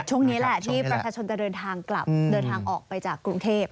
ช่วงนี้แหละที่ประชาชนจะเดินทางกลับเดินทางออกไปจากกรุงเทพ